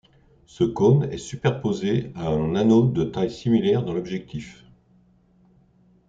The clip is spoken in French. Ce cône est superposé à un anneau de taille similaire dans l'objectif.